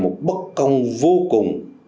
một bài hát bất công vô cùng